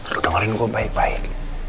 lu dengerin gue baik baik